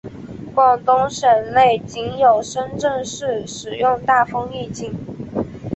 广东省内仅有深圳市使用大风预警。